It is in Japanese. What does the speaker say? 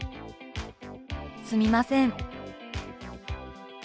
「すみません」。